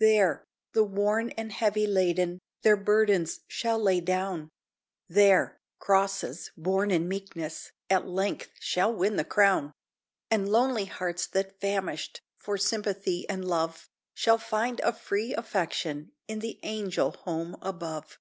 There, the worn and heavy laden Their burdens shall lay down; There, crosses, borne in meekness, At length shall win the crown; And lonely hearts that famished For sympathy and love, Shall find a free affection In the angel home above.